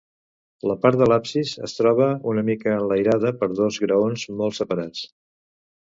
La part de l'absis es troba una mica enlairada per dos graons molt separats.